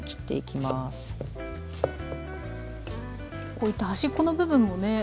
こういった端っこの部分もね